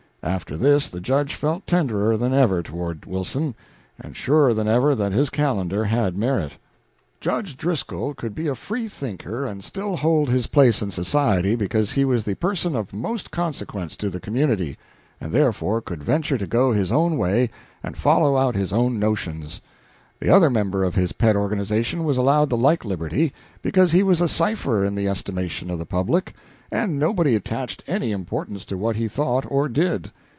After this the Judge felt tenderer than ever toward Wilson, and surer than ever that his calendar had merit. Judge Driscoll could be a free thinker and still hold his place in society because he was the person of most consequence in the community, and therefore could venture to go his own way and follow out his own notions. The other member of his pet organization was allowed the like liberty because he was a cipher in the estimation of the public, and nobody attached any importance to what he thought or did.